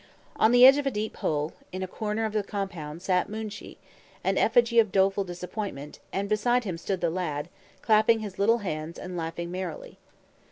On the edge of a deep hole, in a corner of the compound, sat Moonshee, an effigy of doleful disappointment, and beside him stood the lad, clapping his little hands and laughing merrily.